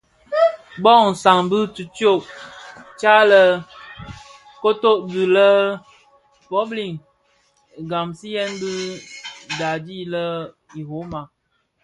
Bö san bi tishyo tya lè koton ti lè publins nghemziyèn ti daadi i Roma.